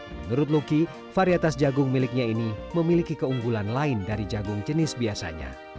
menurut luki varietas jagung miliknya ini memiliki keunggulan lain dari jagung jenis biasanya